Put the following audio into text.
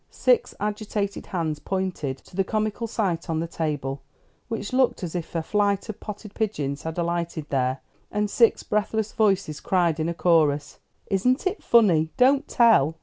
Six agitated hands pointed to the comical sight on the table, which looked as if a flight of potted pigeons had alighted there, and six breathless voices cried in a chorus: "Isn't it funny? Don't tell!"